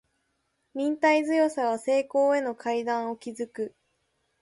忍耐強さは成功への階段を築く